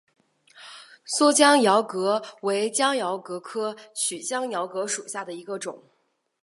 蓑江珧蛤为江珧蛤科曲江珧蛤属下的一个种。